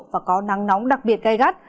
và có nắng nóng đặc biệt gây gắt